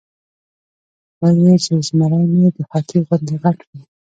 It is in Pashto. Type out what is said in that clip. وې ئې چې زمرے نۀ د هاتي غوندې غټ وي ،